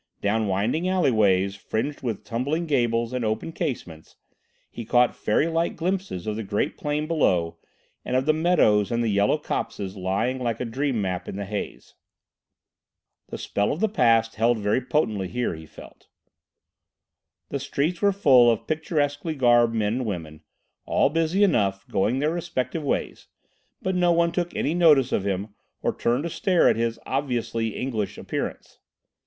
Down winding alleyways, fringed with tumbling gables and open casements, he caught fairylike glimpses of the great plain below, and of the meadows and yellow copses lying like a dream map in the haze. The spell of the past held very potently here, he felt. The streets were full of picturesquely garbed men and women, all busy enough, going their respective ways; but no one took any notice of him or turned to stare at his obviously English appearance.